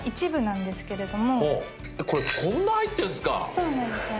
そうなんですよね。